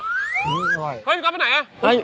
เฮ้ยคุณก๊อฟไปไหนล่ะ